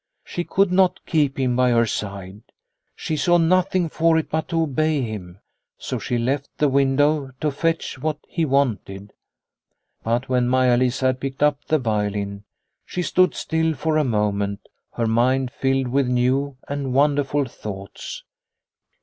She could not keep him by her side. She saw nothing for it but to obey him, so she left the window to fetch what he wanted. But when Maia Lisa had picked up the violin she stood still for a moment, her mind filled with new and wonderful thoughts.